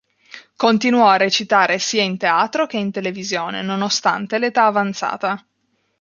Continuò a recitare sia in teatro che in televisione, nonostante l'età avanzata.